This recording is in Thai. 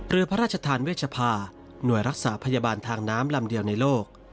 เรือพระราชทานเวชภาหน่วยรักษาพยาบาลทางน้ำลำเดียวในโลก